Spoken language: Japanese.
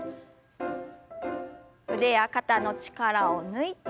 腕や肩の力を抜いて。